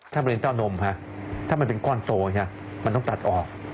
ถ้าเป็นเต้านมค่ะถ้ามันเป็นก้อนโตมันต้องตัดออก